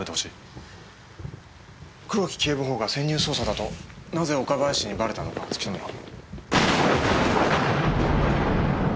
黒木警部補が潜入捜査だとなぜ岡林にバレたのか突き止めろ。